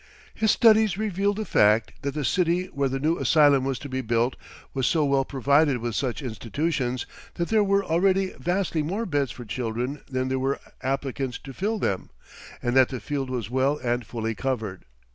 His studies revealed the fact that the city where the new asylum was to be built was so well provided with such institutions that there were already vastly more beds for children than there were applicants to fill them, and that the field was well and fully covered.